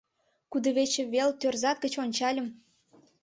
Кудывечывел тӧрзат гыч ончальым -